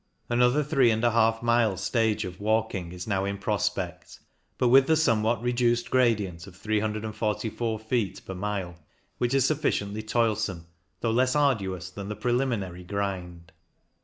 Another three and a half miles' stage of walking is now in prospect, but with the somewhat reduced gradient of 344 feet per mile, which is sufficiently toilsome, though less arduous than the preliminary " grind."